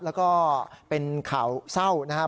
แล้วก็เป็นข่าวเศร้านะครับ